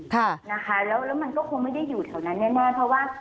แล้วมันคงไม่ได้อยู่แถวนั้นแน่เพราะว่า